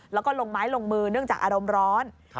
แล้วก็ลงไม้ลงมือเนื่องจากอารมณ์ร้อน